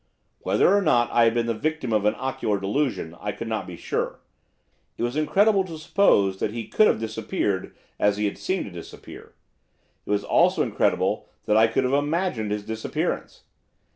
Whether or not I had been the victim of an ocular delusion I could not be sure. It was incredible to suppose that he could have disappeared as he had seemed to disappear, it was also incredible that I could have imagined his disappearance.